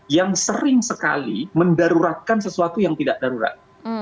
yang sering sekali mendaruratkan sesuatu yang tidak darurat